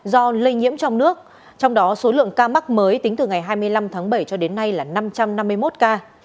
do lây nhiễm trong nước trong đó số lượng ca mắc mới tính từ ngày hai mươi năm tháng bảy cho đến nay là năm trăm năm mươi một ca